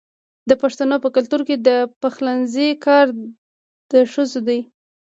د پښتنو په کور کې د پخلنځي کار د ښځو دی.